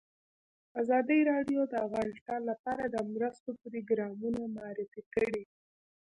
ازادي راډیو د اقتصاد لپاره د مرستو پروګرامونه معرفي کړي.